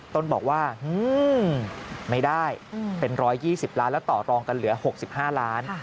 ต้นบอกว่าไม่ได้เป็น๑๒๐ล้านแล้วต่อรองกันเหลือ๖๕ล้าน